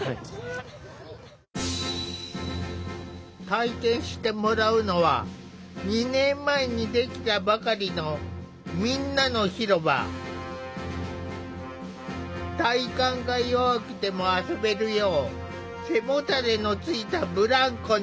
体験してもらうのは２年前に出来たばかりの体幹が弱くても遊べるよう背もたれのついたブランコに。